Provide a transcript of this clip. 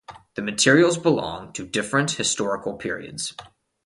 The materials belong to different historical periods.